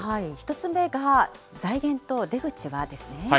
１つ目が財源と出口は？ですね。